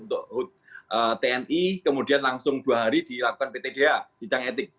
tni kemudian langsung dua hari dilakukan pt da dijang etik